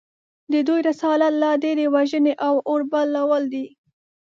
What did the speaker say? د دوی رسالت لا ډېرې وژنې او اوربلول دي